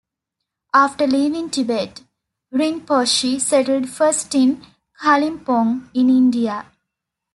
After leaving Tibet, Rinpoche settled first in Kalimpong, in India.